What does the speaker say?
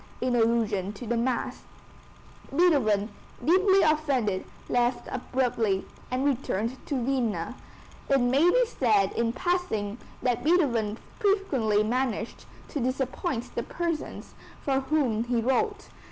in allusion to the mass. Beethoven, deeply offended, left abruptly, and returned to Vienna. It may be said in passing that Beethoven frequently managed to disappoint the persons for whom he wrote.